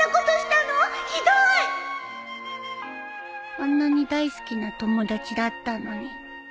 あんなに大好きな友達だったのに